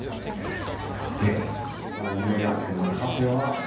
でお目当てのカフェは。